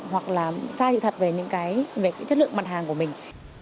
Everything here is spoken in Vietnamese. hoặc là xa dự thật về những cái về chất lượng mặt hàng của mình